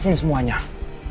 aku bisa nungguin kamu di rumah